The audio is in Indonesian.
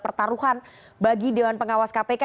pertaruhan bagi dewan pengawas kpk